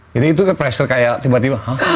jadi itu ke pressure kayak tiba tiba